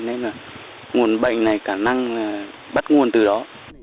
nên là nguồn bệnh này khả năng là bắt nguồn từ đó